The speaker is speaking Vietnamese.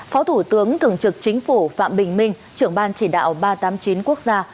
phó thủ tướng thường trực chính phủ phạm bình minh trưởng ban chỉ đạo ba trăm tám mươi chín quốc gia